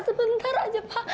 sebentar saja pak